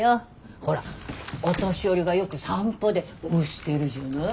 ほらお年寄りがよく散歩で押してるじゃない？